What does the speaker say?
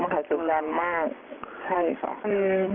ใช่ค่ะคือมหาศักดิ์สัญญาณมาก